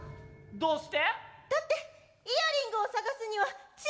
どうして？